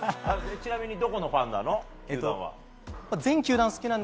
ちなみにどこのファンなの？